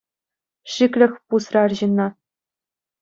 Шиклӗх пусрӗ арҫынна.